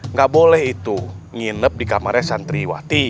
nggak boleh itu nginep di kamarnya santriwati